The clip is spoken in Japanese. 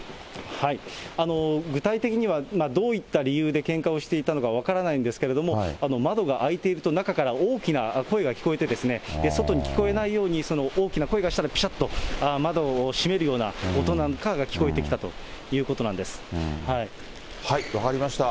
具体的には、どういった理由でけんかをしていたのか分からないんですけれども、窓が開いていると、中から大きな声が聞こえて、外に聞こえないように、大きな声がしたら、ぴしゃっと窓を閉めるような音なんかが聞こえてきたということな分かりました。